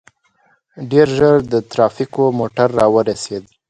ډېر ژر د ټرافيکو موټر راورسېد.